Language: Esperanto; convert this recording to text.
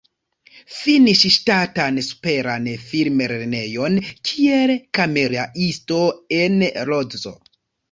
Finis Ŝtatan Superan Film-Lernejon kiel kameraisto en Lodzo.